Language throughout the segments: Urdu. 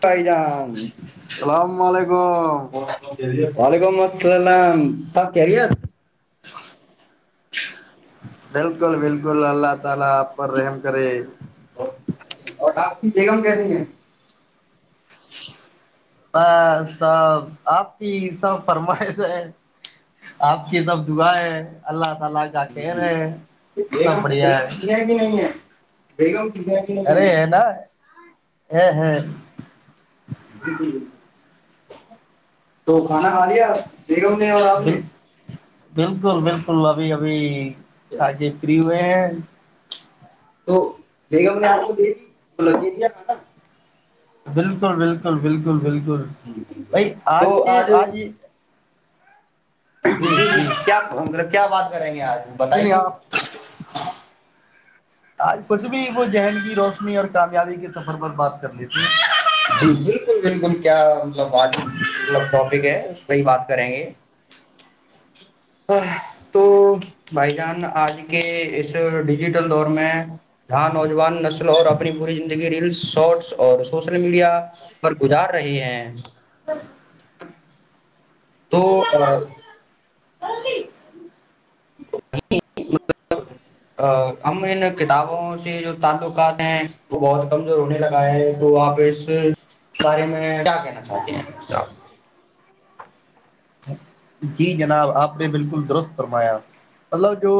بائی رام السلام علیکم ہاں وعلیکم السلام آپ کہہ رہی ہے بالکل بالکل اللہ ت [unintelligible] اور آپ بیگم کیس ہیں ب سب آپ کی سب فرمائش ہے آپ کی سب دعا ہے اللہ تعالی کا خیر ہے کہ سب بڑھیا ہے نہیں ہے بیگا جد ہ ہاں ج ج تو کھانا کھا لیا آپ بیگم نے اور ب نے بالکل بالکل ابھی ابھی تو کجے فری ہوئے ہ تو بیگم نے آپ کو دے دی لگے دیا کھانا بالکل بالکل بالکل بالکل بائی آج کے آج یہ جی جی کیا مطلب کیا بات کریں گے آپ نہیں بتائیے آپ کچھ بھی وہ ذہن کی روشنی اور کامیابی کے سفر پر بات کر لیتے جی بالکل بالکل کیا مطلب آج مطلب ٹاپک ہے پ ہی بات کریں گے تو بھائی جان آج کے اس ڈیجیٹل دور میں جاں نوجوان نسل اور اپنی پوری زندگی ریلس شارٹس اور سو سوشل میڈیا پر گزار رہے ہیں [inaudible] تو ہم ان کتابوں سے جو تعلقات ہیں وہ بہت کمزور ہونے لگا ہے تو آپ اس بارے میں کیا کہنا چاہتے ہیں جی جناب آپ نے بالکل درست فرمایا مطلب جو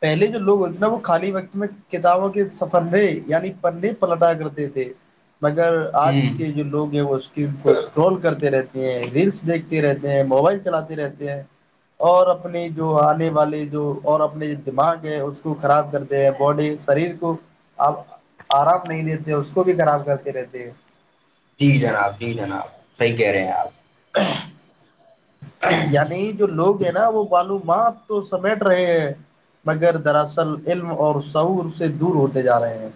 پہلے جو لوگ ہوتے تھے نا وہ خالی وقت میں کتابوں کے سفے یعنی پننے پلٹا کرتے تھے مگر آج ہ کے جو لوگ ہیں وہ اسٹرین کو اسٹرال کرتے رہتے ریلس دیکھتے رہتے ہیں موبائل چلاتے رہتے ہیں اور اپنی جو آنے والے جو اور اپنے دماغ ہے اس کو خراب کرتے ہیں باڈی شریر کو آپ آرام نہیں دیتے اس کو بھی خراب کرتے رہتے ہیں جی جناب جی جناب صحیح کہہ رہے ہیں آپ [inaudible] یعنی جو لوگ بالکل ہیں نا بالکل وہ معلوموماں تو سمیٹ رہے ہیں مگر دراصل علم اور سعور سے دور ہوتے جا رہے ہیں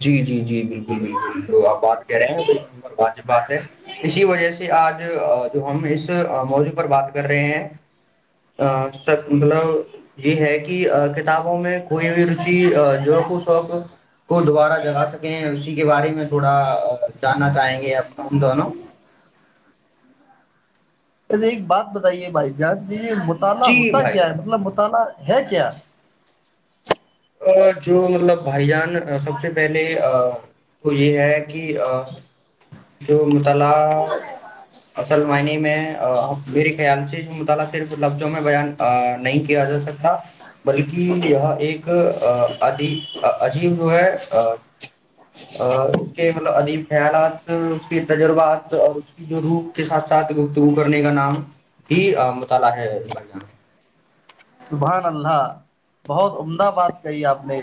جی جی جی بالکل بالکل جو آپ بات کہہ رہے ہیں ایک نمر ب بات ہے اسی وجہ سے آج جو ہم اس موضع پر بات کر رہے ہیں سب مطلب یہ ہے کہ کتابوں میں کوئی بھی روچی جو کچوق کو دوبارہ جگا سکیں ہیں اسی کے بارے میں تھوڑا جاننا چاہیں گے آپ ہم دونوں ارے ایک بات بتائیے بھائی جان ج مطالعہ جی ہوتا بھائی کیا جان ہے مطلب مطالعہ ہے کیا ا جو مطلب بھائی جان سب سے پہلے تو یہ ہے کہ جو م [unintelligible] الا اک مع میں میرے خیال سے جو مطالعہ صرف لفظوں میں بیان نہیں کیا جا سکتا بلکہ یہ ایک عجیب جو ہے اس کے مطلب عجیب خیالات اس کے تجربات اور اس کی جو روح کے ساتھ ساتھ گفتگو کرنے کا نام ہی مطالعہ ہےان سبھان اللہ بہت عمدہ بات کہی آپ نے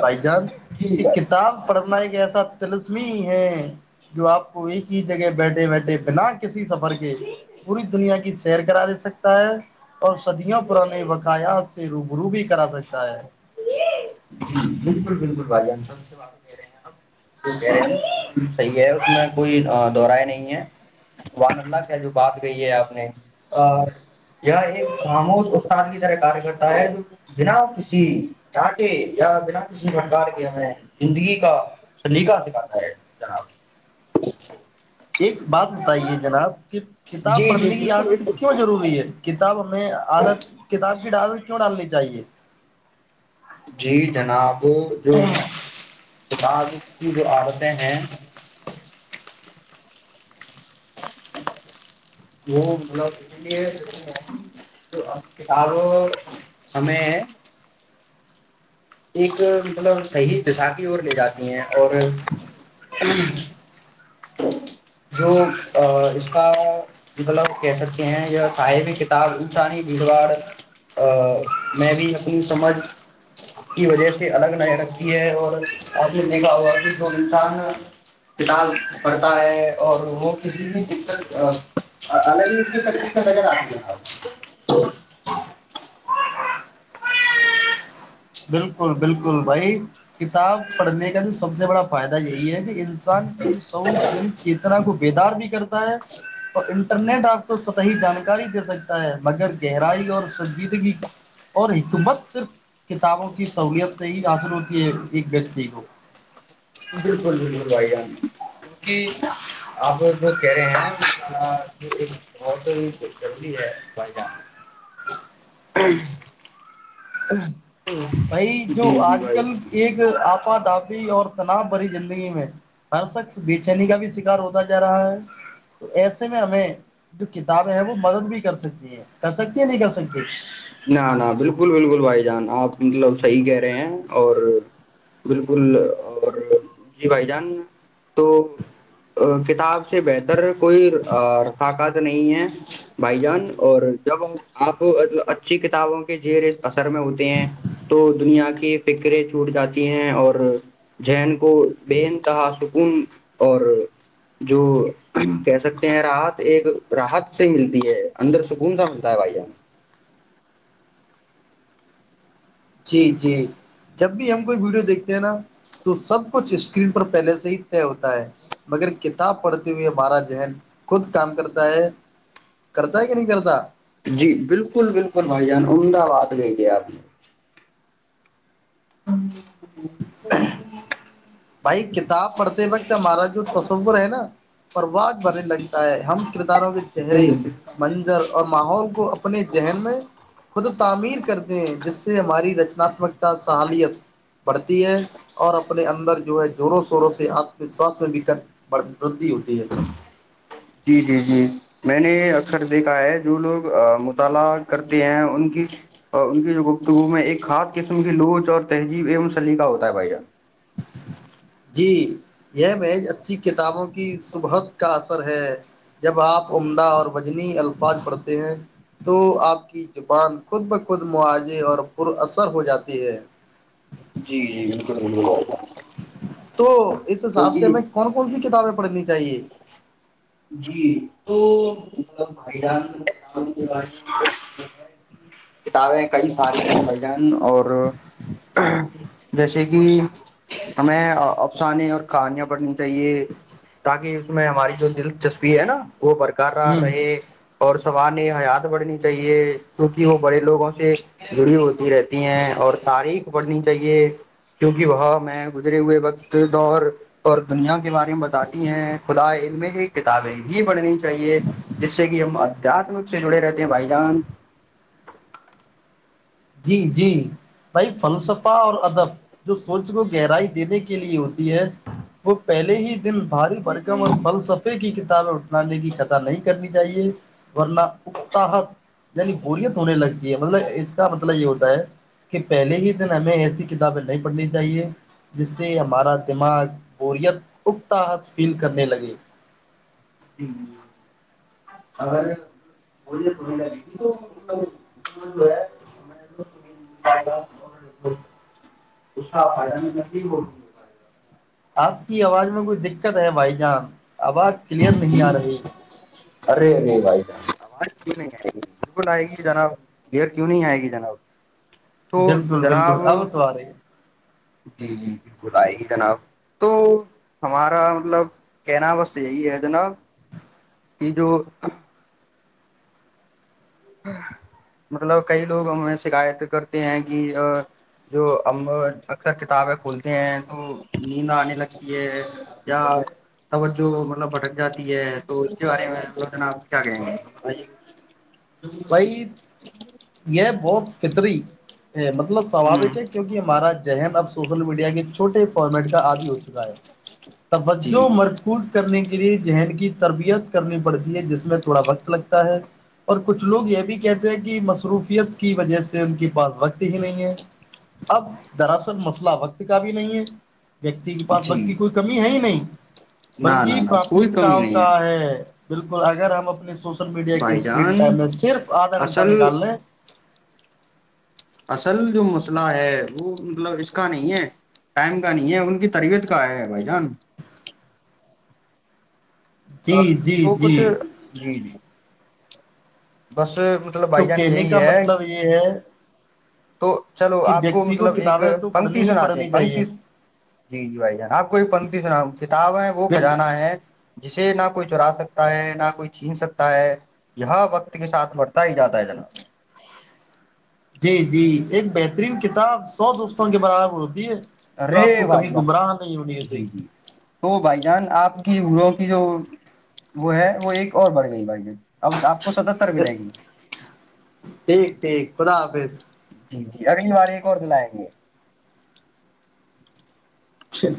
بائی چانس جی کہ بھائی کتاب پڑھنا ایک ایسا لسمی ہے جو آپ کو ایک ہی جگہ بیٹھے بیٹھے بنا کے کسی سفر کے پوری دنیا کی سیر کرا دے سکتا ہے اور صدیوں پرانا اپنے وقاعت سے روبرو بھی کرا سکتا ہے بالکل بالکل بھج سےے رہے ہیںپ جو کہہ رہے ہیں ن بالکل صحیح ہے اس میں کوئی دور نہیں ہے و اللہ جو بات کہئی ہے آپ نے یہ ایک خاموش استاد کی طرح کرتا ہے بنا کسی یا بنا کسی پرکار کے ہمیں زندگی کا سلیقہ دکھاتا ہے جناب ایک بات بتائیے جناب کہ کتاب جی جی پڑھنے کی بالکل عادت بالکل کیوں ضروری ہے کتاب میں عادت کتاب کے ڈال کیوں ڈالنی چاہیے جی جناب جو سج کی جو آپتیں ہیں وہ مطلب اس لیے کتابوں ہمیں ایک مطلب صحیح دشا کی اور لے جاتی ہیں اور جو اس کا مطلب کہہ سکتے ہیں صاحب کتاب اسانی بھیڑواڑ ا میں بھی اپنی سمجھ کی وجہ سے الگ نظر رکھتی ہے اور آگ نے دیکھا ہوگا بھی جو انسان فال پڑتا ہے اور وہ کسی بھی دقت الگ ہیقت نظر آتی بالکل بالکل بھائی کتاب پڑھنے کا تو سب سے بڑا فائدہ یہی ہے کہ انسان کی جو سور یعنی چتنا کو بیدار بھی کرتے ہے تو ان کو ر نٹ آپ کو سطحی جانکاری دے سکتا ہے مگر گہرائی اور سنجیدگی اور حکومت صرف کتابوں کی سہولت سے ہی حاصل ہوتی ہے ایک ویکتی کو بالکل بالکل بھائی جان کیونکہ آپ لگ کہہ رہے ہیں ایک بہت ضروری ہے بھائی جان ہ [inaudible] [unintelligible] بھائی جو جی جی آج بھائی کل ایک آپ دی اور تنا بھری زندگی میں ہر شخص بے چینی کا بھی شکار ہوتا جا رہا ہے تو ایسے میں ہمیں جو کتابیں ہیں وہ مدد بھی کر سکتی ہیں کر سکتی یا نہیں کر سکتی نہ نہ بالکل بالکل بھائی جان آپ مطلب صحیح کہہ رہے ہیں اور بالکل اور جی بھائی جان تو کتاب سے بہتر کوئی رفقات نہیں ہے بھائی جان اور جب آپ اچھی کتابوں کے جیر اثر میں ہوتے ہیں تو دنیا کی فکرے چھوٹ جاتی ہیں اور ذن کو بے انتہا سکون اور جو کہہ سکتے ہیں راحت ایک راحت سے ملتی ہے اندر سکون سا ملتا ہے بھائی جان جی جی جب بھی ہم کوئی ویڈیو دیکھتے ہیں نا تو سب کچھ اسکرین پر پہلے سے ہی طے ہوتا ہے مگر کتاب پڑھتے ہوئے ہمارا ذہن خود کام کرتا ہے کرتا ہے کہ نہیں کرتا جی بالکل بالکل بھائی جان احمدباد لے گئے آپ نے ہاں ا بھائی کتاب پڑھتے وقت ہمارا جو تصور ہے نا پرواز بھرنے لگتا ہے ہم کرداروں کے نے چہرے منظر اور ماحول کو اپنے ذہن میں خود تعمیر کرتے ہیں جس سے ہماری رچنااتمکتا سحالیت بڑھتی ہے اور اپنے اندر زوروں شوروں سے آتم وشواس میں بھی بڑ ودی ہوتی ہے جی جی جی میں نے اکثر دیکھا ہے جو لوگ مطالعہ کرتے ہیں ان کی ان کی جو گفتگو میں ایک خاص قسم کی لوچ اور تہذیب ایوم سلیقہ ہوتا ہے بھیا جی یہ میز اچھی کتابوں کی صبحت کا اثر ہے جب آپ عمدہ اور بجنی الفاظ پڑھتے ہیں تو آپ کی زبان خود بخود مواضع اور پر اثر ہو جاتی ہے جی جی بالکل بالک تو اس حساب ہمیں کون کون سی کتابیں پڑھنی چاہیے جی تو بھائی جان کتابیں کئی سارے ہیں بھائی جان اور جیسے کہ ہمیں افسانے اور کہانیاں پڑھنی چاہیے تاکہ اس میں ہماری جو دل جسپی ہے نا وہ برقرار ہوں رہے اور سوارح حیات بڑھنی چاہیے کیوںکہ وہ بڑے لوگوں سے جڑی ہوتی رہتی ہیں اور تاریخ پڑھنی چاہیے کیوںکہ وہ میں گزرے ہوئے وقت دور اور دنیا کے بارے میں بتاتی ہیں خدا ع میں ہی کتابیں بھی پڑھنی چاہیے جس سے کہ ہم ادھیاتمک سے جڑے رہتے ہیں بھائی جان جی جی بھائی فلسف اور ادب جو سوچ کو گہرائی دینے کی لیے ہوتی ہے وہ پہلے ہی دن بھاری برکم اور فلسفے کی اٹھنانے کی کتا نہیں کرنی چاہیے ورنہ اکتا یعنی بوریت ہونے لگ ج مطلب کا مطلب یہ ہوتا ہے کہ پہلے ہی دن ہمیں ایسی کتابیں نہیں پڑھنی چاہیے جس سے ہمارا دماغ بوریت اکتاحت فیل کرنے لگے ج ا آپ کی آواز میں کوئی دقت ہے بھائی جان آواز کلیئر نہیں آ رہی ارے اے بھائی ج آواز کیوں نہیں آئے گی بالکل آئے گی جناب دیر کیوں نہیں آئے گی جناب تو بالکل بالکل جناب اب تو آ رہی ہے جی جی بالکل آئے گی جناب تو ہمارا مطلب کہنا بس یہی ہے جناب کہ جو مطلب کئی لوگ ہمیں شکایت کرتے ہیں کہ جو ہم اکثر کتابیں کھولتے ہیں تو نیند آنے لگتی ہے یا توجہ مطلب بھٹک جاتی ہے تو اس کے بارے میں دو جنا آ کیا کہیں گے بتائیے بھائی یہ بہت فطری مطلب ہوں سواک ہے کیونکہ ہمارا ذہن اب سوشل میڈیا کے چھٹے فارمیٹ کا عادی ہو چکا ہے توجہ جی مرکوز کرنے کے لی ذہن کی تربیت کرنی پڑتی ہے جس میں تھوڑا وقت لگتا ہے اور پ کچھ لوگ یہ بھی کہتے ہیں کہ مصروفیت کی وجہ سے ان کے پاس وقت ہی نہیں ہے اب دراصل مسئلہ وقت کا بھی نہیں ہے ویکتی کے پاس جی وکتی کی کوئی کمی ہے ہی نہیں نہ بلکہ نہ نہ کوئی پراتھمکتا کمی نہیں کا ہے بالکل اگر ہم اپنی سوشل میڈیا کے بھائی اسکرین جان میں صرف آدھا گھنٹہ اصل نکالنےیں اصل جو مسئلہ ہے وہ مطلب اس کا نہیں ہے ٹائم کا نہیں ہے ان کی تربیت کا ہے بھائی جان جی جی تو جی کچھ جی جی بس مطلب تو بھائی جان کہنے یہی کا ہے مطلب یہ ہے تو چلو کہ آپ کو ویکتی مطلب ایک کتابیں تو پڑھنی پنکتی ہی سناتے ہیں پڑھنی چاہیے پنکتی جی جی بھائی جان آپ کو ایک پنکتی سنا کتابیں وہ کھجانا ہے جسے نام کوئی چرا سکتا ہے نہ کوئی چھین سکتا ہے یہ وقت کے ساتھ مڑھتا ہی جاتا ہے جناب ج جی ایک بہترین کتاب سو دوستوں کے برابر ہوتی ہے جو آپ کو ررے بھائی کبھی جان گمراہ نہیں ہونی چاہیے جی جی تو بھائی جان آپ کی گرو کی جو وہ ہے وہ ایک اور بڑ گئی بائی ہے اب آپ کو ستتر ملیں گے ٹھیک ٹھیک خدا حافظ جی جی اگلی بار ایک اور دلیں گ چھ